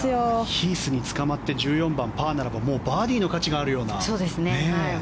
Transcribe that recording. ヒースにつかまって１４番、パーならばバーディーの価値があるような。